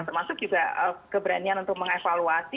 termasuk juga keberanian untuk mengevaluasi